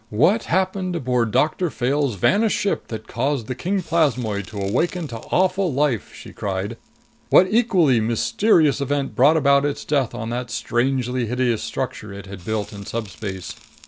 What happened aboard Doctor Fayle's vanished ship that caused the king plasmoid to awaken to awful life?" she cried. "What equally mysterious event brought about its death on that strangely hideous structure it had built in subspace?